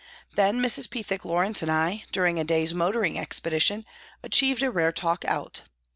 Then Mrs. Pethick Lawrence and I, during a day's motoring expedition, achieved a rare talk out.